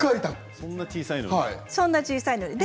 そんなに小さいのに？